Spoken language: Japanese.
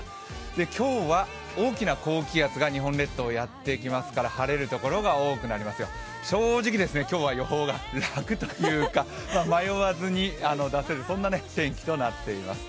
今日は大きな高気圧が日本列島、やってきますから晴れるところが多くなります、正直、今日は予報が楽というか迷わずに出せる、そんな天気となっています。